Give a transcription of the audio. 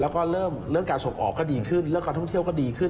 แล้วก็เริ่มเรื่องการส่งออกก็ดีขึ้นเรื่องการท่องเที่ยวก็ดีขึ้น